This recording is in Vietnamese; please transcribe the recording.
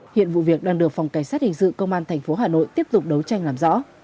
hiện vụ việc đang được phòng cảnh sát hình sự công an tp hà nội tiếp tục đấu tranh làm rõ